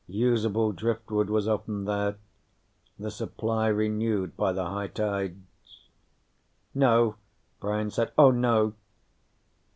Usable driftwood was often there, the supply renewed by the high tides. "No," Brian said. "Oh, no...."